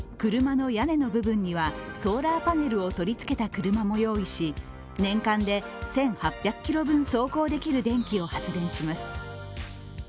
車の屋根の部分にはソーラーパネルを取り付けた車も用意し年間で１８００ｋｍ分走行できる電気を発電します。